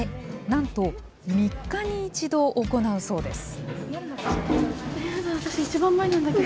なんと３日に一度、行うそうです。